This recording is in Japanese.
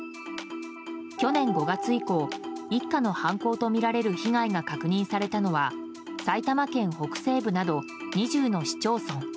去年５月以降一家の犯行とみられる被害が確認されたのは埼玉県北西部など２０の市町村